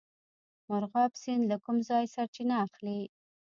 مرغاب سیند له کوم ځای سرچینه اخلي؟